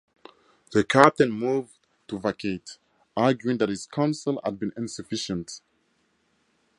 The captain moved to vacate, arguing that his counsel had been insufficient.